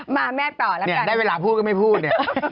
มาแม่ต่อได้เวลาพูดก็ไม่พูด